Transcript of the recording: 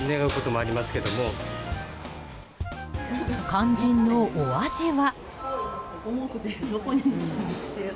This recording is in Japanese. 肝心のお味は。